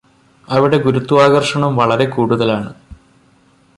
അവിടെ ഗുരുത്വാകര്ഷണം വളരെ കൂടുതലാണ്